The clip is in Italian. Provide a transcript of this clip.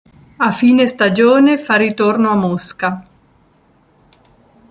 A fine stagione, fa ritorno a Mosca.